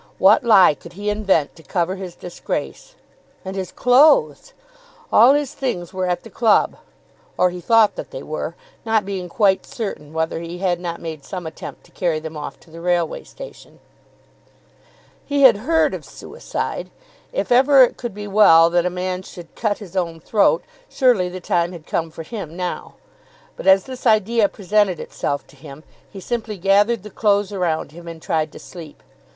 What lie could he invent to cover his disgrace? And his clothes! All his things were at the club; or he thought that they were, not being quite certain whether he had not made some attempt to carry them off to the Railway Station. He had heard of suicide. If ever it could be well that a man should cut his own throat, surely the time had come for him now. But as this idea presented itself to him he simply gathered the clothes around him and tried to sleep.